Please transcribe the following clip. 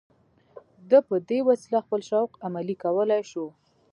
ده په دې وسیله خپل شوق عملي کولای شو